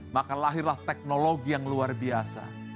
maka lahirlah teknologi yang luar biasa